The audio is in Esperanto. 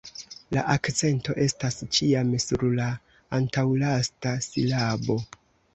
La akcento estas ĉiam sur la antaŭlasta silabo.